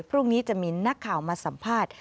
พรุ่งนี้จะมีนักข่าวมาสัมภาษณ์